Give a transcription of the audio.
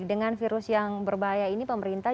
dengan virus yang berbahaya ini pemerintah